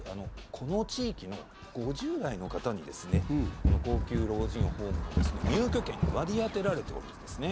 この地域の５０代の方にこの高級老人ホームの入居権割り当てられておるんですね。